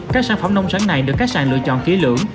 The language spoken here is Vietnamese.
các sản phẩm nông sản này được các sản lựa chọn ký lưỡng